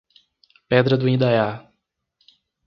Pedra do Indaiá